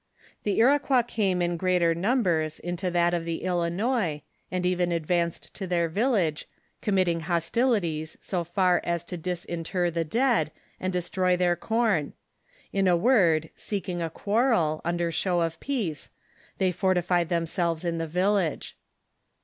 The Iroquois came in greater numbers into that of the Ilinois, and even advanced to their village, committing hostilities so far as to disinter the dead, and destroy their corn ; in a word, seeking a quarrel, under show of peace, they fortified them selves in the village.